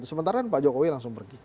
sementara kan pak jokowi langsung pergi